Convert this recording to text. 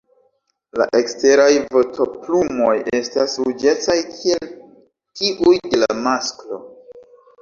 La eksteraj vostoplumoj estas ruĝecaj kiel tiuj de la masklo.